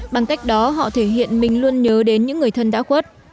bằng cách đó họ thể hiện mình luôn nhớ đến những người thân đã khuất